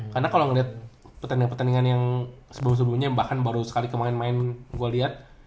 karena kalo ngeliat petandingan petandingan yang sebelum sebelumnya bahkan baru sekali ke main main gue liat